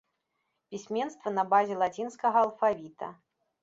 Пісьменства на базе лацінскага алфавіта.